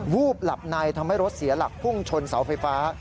วูบหลับในทำให้รถเสียหลักพุ่งชนเสาไฟฟ้า